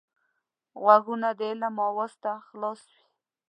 غوږونه د علم آواز ته خلاص وي